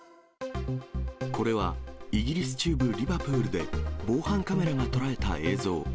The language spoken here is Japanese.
これは、イギリス中部リバプールで、防犯カメラが捉えた映像。